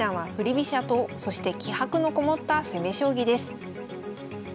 飛車党そして気迫のこもった攻め将棋です。